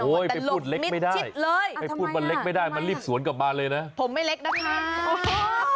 โอ้ยไปพูดเล็กไม่ได้ไปพูดว่าเล็กไม่ได้มันรีบสวนกลับบ้านเลยนะโอ้ยไปพูดเล็กไม่ได้ไปพูดว่าเล็กไม่ได้มันรีบสวนกลับบ้านเลยนะ